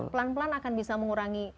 pelan pelan akan bisa mengurangi